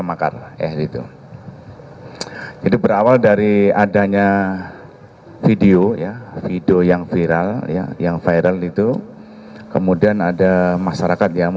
tahan dulu tahan